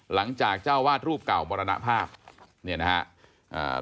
หลังจากเจ้าวาดรูปเก่ามรณภาพเนี่ยนะฮะอ่า